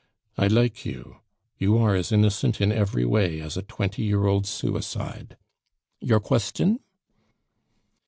I like you. You are as innocent in every way as a twenty year old suicide. Your question?"